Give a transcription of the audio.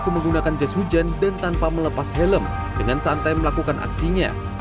menggunakan jas hujan dan tanpa melepas helm dengan santai melakukan aksinya